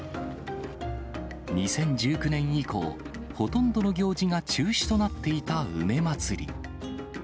２０１９年以降、ほとんどの行事が中止となっていた梅まつり。